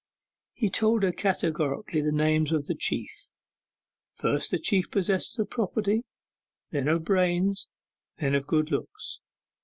He told her categorically the names of the chief first the chief possessors of property; then of brains; then of good looks.